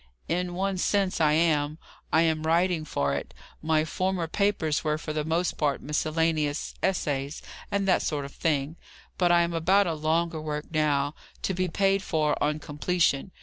"In one sense, I am: I am writing for it. My former papers were for the most part miscellaneous essays, and that sort of thing; but I am about a longer work now, to be paid for on completion.